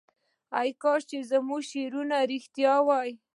کاش چې زموږ شعرونه رښتیا وای.